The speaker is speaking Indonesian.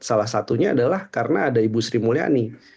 salah satunya adalah karena ada ibu sri mulyani